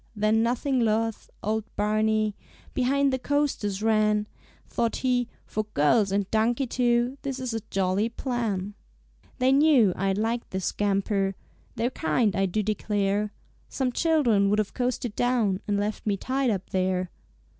Then nothing loth, old Barney Behind the coasters ran. Thought he, "For girls and donkey too. This is a jolly plan." "They knew I'd like this scamper; They're kind, I do declare. Some children would have coasted down And left me tied up there."